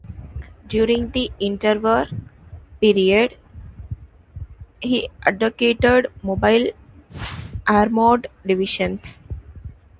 During the interwar period, he advocated mobile armoured divisions.